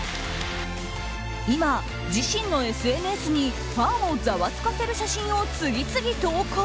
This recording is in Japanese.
今、自身のＳＮＳにファンをざわつかせる写真を次々投稿。